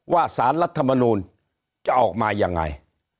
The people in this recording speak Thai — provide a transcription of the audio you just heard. สารรัฐมนูลจะออกมายังไง